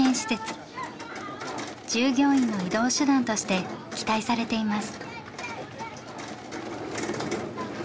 従業員の移動手段として期待されています。